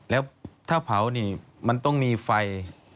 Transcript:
แล้วถ้าเผานี่มันต้องมีไฟ